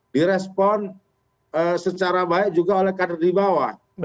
direspon secara baik juga oleh kader di bawah